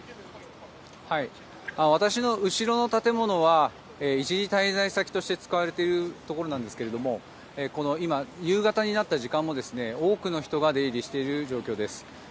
私の後ろの建物は一時滞在先として使われているところなんですが夕方になる時間にも多くの人が出入りしている状況です。